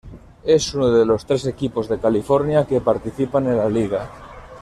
Es uno de los tres equipos de California que participan en la liga.